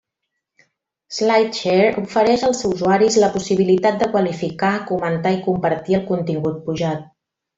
Slideshare ofereix als usuaris la possibilitat de qualificar, comentar i compartir el contingut pujat.